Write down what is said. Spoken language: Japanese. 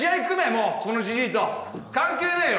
もうこのジジイと関係ねえよ！